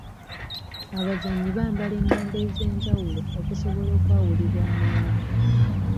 Abazannyi bambala ennamba ez'enjawulo okusobola okwawulibwa amangu.